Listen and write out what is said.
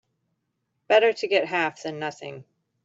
Better to get half than nothing.